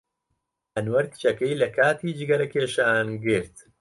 ئەنوەر کچەکەی لە کاتی جگەرەکێشان گرت.